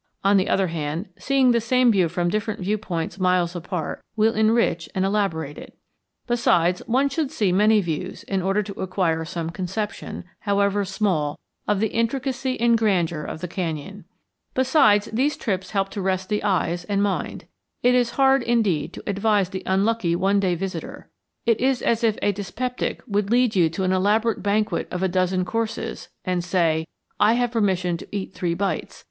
On the other hand, seeing the same view from different viewpoints miles apart will enrich and elaborate it. Besides, one should see many views in order to acquire some conception, however small, of the intricacy and grandeur of the canyon. Besides, these trips help to rest the eyes and mind. It is hard indeed to advise the unlucky one day visitor. It is as if a dyspeptic should lead you to an elaborate banquet of a dozen courses, and say: "I have permission to eat three bites.